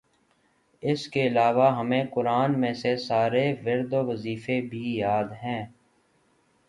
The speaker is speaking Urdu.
اسکے علاوہ ہمیں قرآن میں سے سارے ورد وظیفے بھی یاد ہیں